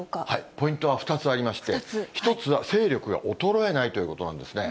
ポイントは２つありまして、１つは勢力が衰えないということなんですね。